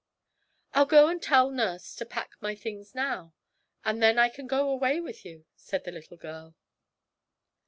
'I'll go and tell nurse to pack my things now, and then I can go away with you,' said the little girl.